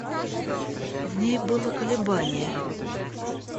В ней было колебание.